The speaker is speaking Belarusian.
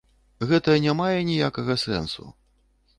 Гэта не мае ніякага сэнсу.